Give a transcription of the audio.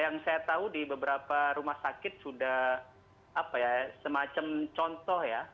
yang saya tahu di beberapa rumah sakit sudah semacam contoh ya